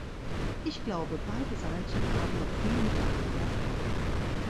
Ich glaube, beide Seiten haben noch viel miteinander vor.